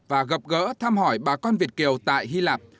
và gặp gỡ thăm hỏi bà con việt kiều tại hy lạp